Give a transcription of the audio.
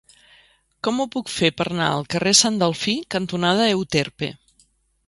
Com ho puc fer per anar al carrer Sant Delfí cantonada Euterpe?